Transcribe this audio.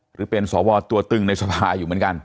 หรือเป็นสวตัวตึงในสภาอยู่เหมือนกัน